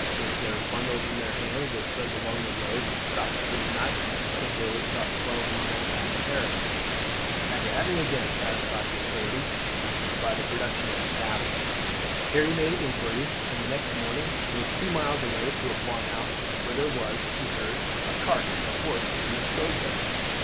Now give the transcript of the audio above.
With their bundles in their hands they trudged along the road, and stopped for the night at a village about twelve miles out of Paris. After having again satisfied the authorities by the production of the pass, Harry made inquiries, and the next morning went two miles away to a farm house, where there was, he heard, a cart and horse to be disposed of.